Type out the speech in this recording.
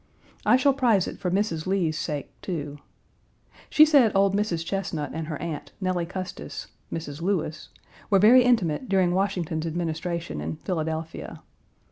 I shall prize it for Mrs. Lee's sake, too. She said old Mrs. Chesnut and her aunt, Nellie Custis (Mrs. Lewis) were very intimate during Washington's Administration in Philadelphia.